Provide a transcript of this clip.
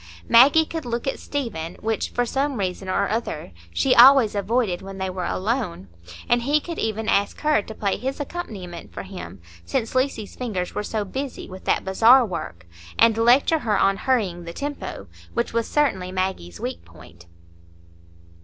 Maggie could look at Stephen, which, for some reason or other she always avoided when they were alone; and he could even ask her to play his accompaniment for him, since Lucy's fingers were so busy with that bazaar work, and lecture her on hurrying the tempo, which was certainly Maggie's weak point.